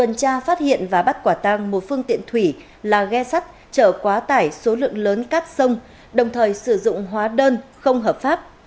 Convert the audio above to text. tổ công tác đã phát hiện và bắt quả tàng một phương tiện thủy là ghe sắt trở quá tải số lượng lớn cát sông đồng thời sử dụng hóa đơn không hợp pháp